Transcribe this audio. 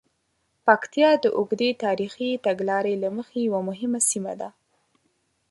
پکتیا د اوږدې تاریخي تګلارې له مخې یوه مهمه سیمه ده.